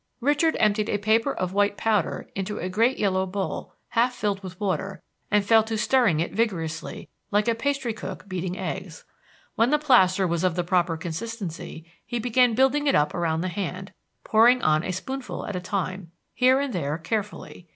Richard emptied a paper of white powder into a great yellow bowl half filled with water and fell to stirring it vigorously, like a pastry cook beating eggs. When the plaster was of the proper consistency he began building it up around the hand, pouring on a spoonful at a time, here and there, carefully.